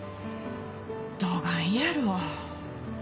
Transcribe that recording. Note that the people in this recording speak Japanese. どがんやろう。